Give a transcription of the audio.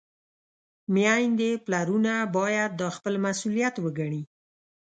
میندې، پلرونه باید دا خپل مسؤلیت وګڼي.